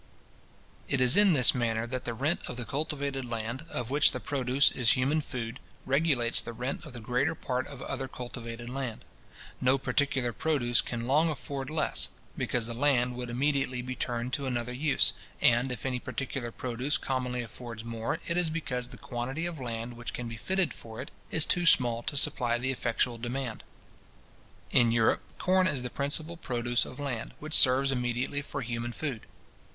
It is in this manner that the rent of the cultivated land, of which the produce is human food, regulates the rent of the greater part of other cultivated land. No particular produce can long afford less, because the land would immediately be turned to another use; and if any particular produce commonly affords more, it is because the quantity of land which can be fitted for it is too small to supply the effectual demand. In Europe, corn is the principal produce of land, which serves immediately for human food.